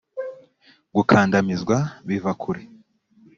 gukandamizwa biva kure